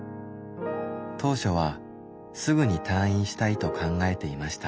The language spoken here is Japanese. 当初はすぐに退院したいと考えていました。